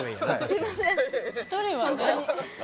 すいません